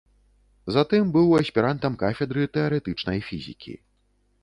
Затым быў аспірантам кафедры тэарэтычнай фізікі.